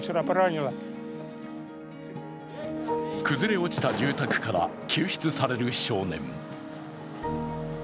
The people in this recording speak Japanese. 崩れ落ちた住宅から救出される少年。